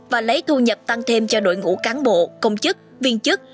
và lấy thu nhập tăng thêm cho đội ngũ cán bộ công chức viên chức